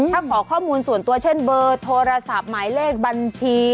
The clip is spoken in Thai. ถ้าขอข้อมูลส่วนตัวเช่นเบอร์โทรศัพท์หมายเลขบัญชี